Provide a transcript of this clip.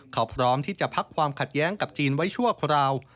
เขาพร้อมที่จะพักความขัดแย้งกับจีนไว้ชั่วคราว